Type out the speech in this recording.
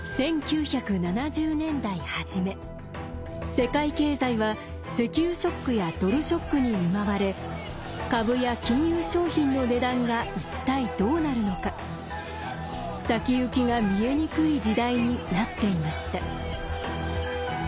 世界経済は石油ショックやドルショックに見舞われ株や金融商品の値段が一体どうなるのか先行きが見えにくい時代になっていました。